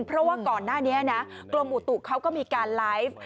เพราะว่าก่อนหน้านี้นะกรมอุตุเขาก็มีการไลฟ์